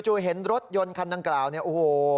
เห็นรถยนต์คันดังกล่าวเนี่ยโอ้โห